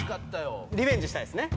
リベンジしたいですね